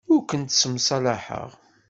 Ur kent-ssemṣalaḥeɣ.